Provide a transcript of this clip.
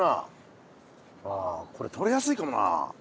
あこれ取れやすいかもな。